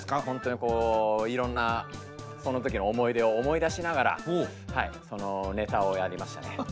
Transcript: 本当にこういろんなその時の思い出を思い出しながらネタをやりましたね。